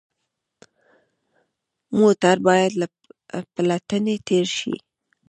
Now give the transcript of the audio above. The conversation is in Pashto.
موټر باید له پلټنې تېر شي.